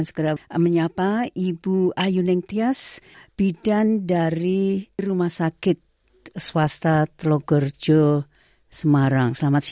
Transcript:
selamat tahun baru juga semoga sehat selalu